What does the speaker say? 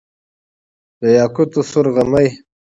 د یاقوتو سور غمی،